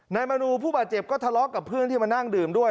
มนูผู้บาดเจ็บก็ทะเลาะกับเพื่อนที่มานั่งดื่มด้วย